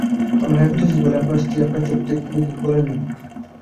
আমার হাইপোথিসিস বলে, আপনার স্ত্রী আপনার চোখ গেলে দেন নি।